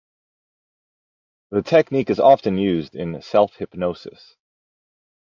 The technique is often used in self-hypnosis.